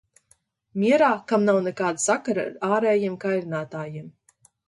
Mierā, kam nav nekāda sakara ar ārējiem kairinātājiem.